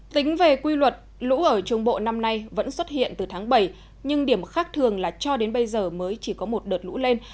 tính về quy luật lũ ở trung bộ năm nay vẫn xuất hiện từ tháng bảy nhưng điểm khác thường là cho đến bây giờ mới chỉ có một đợt lũ lên